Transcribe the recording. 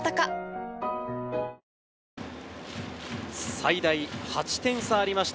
最大８点差ありました